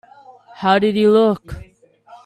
How did he look?